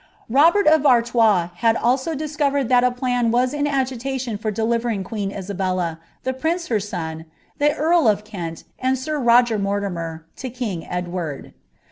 '' Kotierl of Arlois had also di:«corer^ that a plan was in agilaliun for delivering queen Isabella, the nrinee her fan, tlie earl of Kent, and Sir Ro^r Mortimer, to king Edwata.